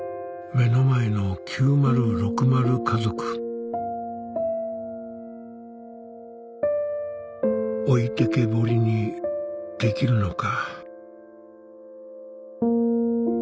目の前の９０６０家族おいてけぼりにできるのか？